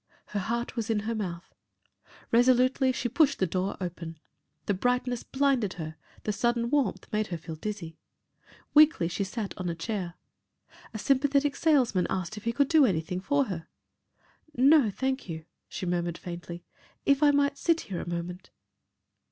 Her heart was in her mouth. Resolutely she pushed the door open. The brightness blinded her, the sudden warmth made her feel dizzy. Weakly she sat on a chair. A sympathetic salesman asked her if he could do anything for her. "No, thank you," she murmured faintly, "if I might sit here a moment."